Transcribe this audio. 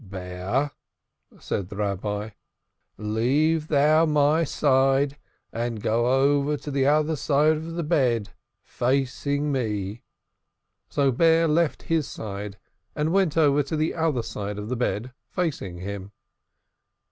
"Bear," said the Rabbi, "leave thou my side, and go over to the other side of the bed, facing me." So Bear left his side and went over to the other side of the bed facing him.